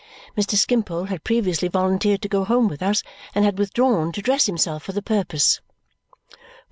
Mr. Skimpole had previously volunteered to go home with us and had withdrawn to dress himself for the purpose.